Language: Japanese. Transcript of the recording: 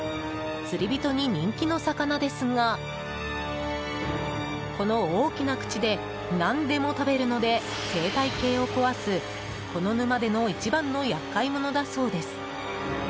釣り人に人気の魚ですがこの大きな口で何でも食べるので生態系を壊す、この沼での一番の厄介者だそうです。